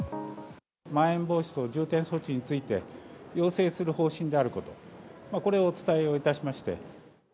まん延防止等重点措置について、要請する方針であること、これをお伝えをいたしまして。